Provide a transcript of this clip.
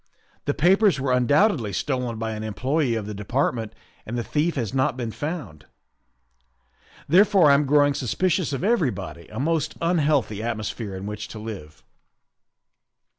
The papers were undoubtedly stolen by an employe of the Department and the thief has not been found, therefore I am growing suspicious of everybody, a most unhealthy atmosphere in which to live.